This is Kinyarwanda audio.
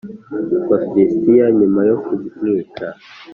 Bafilisitiya nyuma yo kumwica